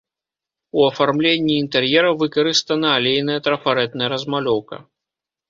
У афармленні інтэр'ера выкарыстана алейная трафарэтная размалёўка.